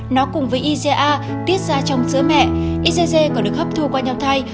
nó cùng với iga tiết ra trong sữa mẹ igg còn được hấp thu qua nhau thai